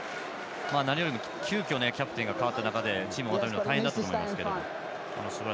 何よりも急きょキャプテンがいない中でチームをまとめるの大変だったと思いますけど。